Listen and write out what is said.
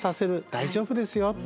「大丈夫ですよ」。